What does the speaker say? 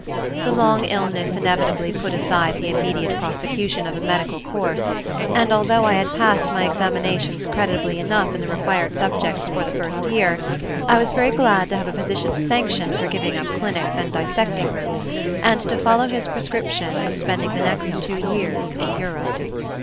The long illness inevitably put aside the immediate prosecution of a medical course, and although I had passed my examinations creditably enough in the required subjects for the first year, I was very glad to have a physician's sanction for giving up clinics and dissecting rooms and to follow his prescription of spending the next two years in Europe.